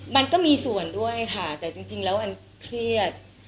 มันก็มีส่วนด้วยค่ะแต่จริงแล้วอันเครียด